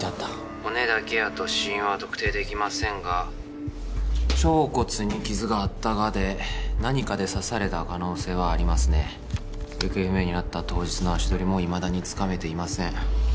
☎骨だけやと死因は特定できませんが腸骨に傷があったがで何かで刺された可能性はありますね行方不明になった当日の足取りもいまだにつかめていません